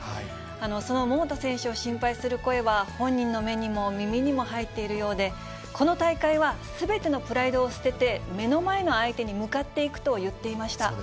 その桃田選手を心配する声は、本人の目にも耳にも入っているようで、この大会はすべてのプライドを捨てて、目の前の相手に向かっていくと言っていました。